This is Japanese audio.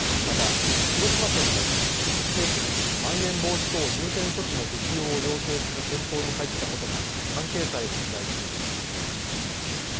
また、広島県も政府にまん延防止等重点措置の適用を要請する検討に入ったことが関係者への取材で分かりました。